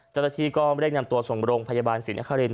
เจ้าหน้าที่ก็ไม่ได้นำตัวส่งบรงพยาบาลศิลป์อคาริน